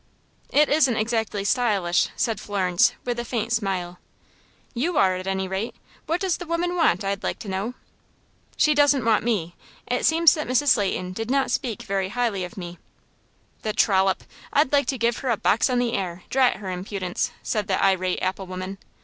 "It isn't exactly stylish," said Florence, with a faint smile. "You are, at any rate. What does the woman want, I'd like to know?" "She doesn't want me. It seems Mrs. Leighton did not speak very highly of me." "The trollop! I'd like to give her a box on the ear, drat her impudence!" said the irate apple woman.